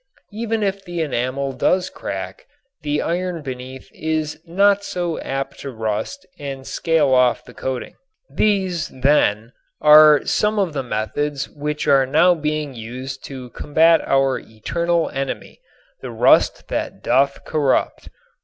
Even if the enamel does crack, the iron beneath is not so apt to rust and scale off the coating. These, then, are some of the methods which are now being used to combat our eternal enemy, the rust that doth corrupt.